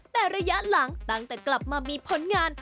แต่ระยะหลังตั้งแต่กลับมามีผลงาน